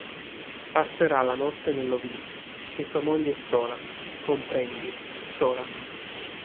Passerà la notte nell'ovile, e tua moglie è sola, comprendi, sola.